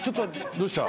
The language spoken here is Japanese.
どうした？